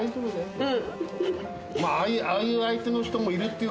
うん。